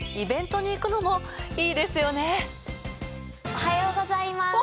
おはようございます。